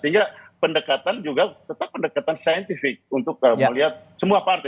sehingga pendekatan juga tetap pendekatan saintifik untuk melihat semua partai